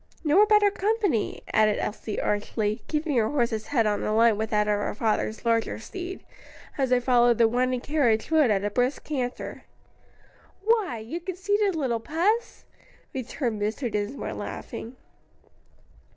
"Nor better company," added Elsie, archly, keeping her horse's head on a line with that of her father's larger Steed, as they followed the winding carriage road at a brisk canter. "Why, you conceited little puss?" returned Mr. Dinsmore laughing.